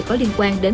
có liên quan đến